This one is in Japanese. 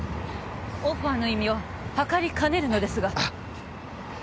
オファーの意味を図りかねるのですが